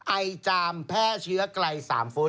ไอจามแพร่เชื้อไกล๓ฟุต